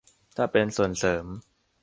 ถ้าเป็น "ส่วนเสริม"